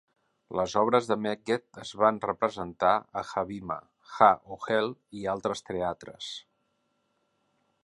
Les obres de Megged es van representar a Habima, Ha-Ohel i altres teatres.